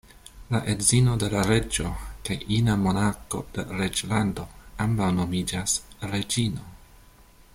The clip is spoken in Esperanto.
La edzino de reĝo, kaj ina monarko de reĝlando, ambaŭ nomiĝas "reĝino".